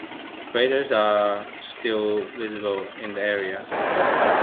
Craters are still visible in the area.